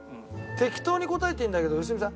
適当に答えていいんだけど良純さん。